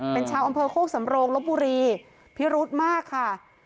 เป็นชาวอำเภอโคกสำโรงลบบุรีพิรุธมากค่ะ